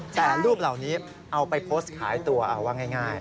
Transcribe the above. แต่รูปเหล่านี้เอาไปโพสต์ขายตัวเอาว่าง่าย